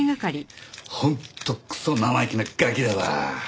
本当クソ生意気なガキだわ。